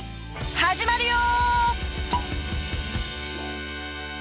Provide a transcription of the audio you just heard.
始まるよ！